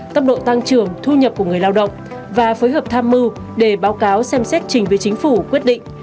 tốc độ tăng trưởng thu nhập của người lao động và phối hợp tham mưu để báo cáo xem xét trình với chính phủ quyết định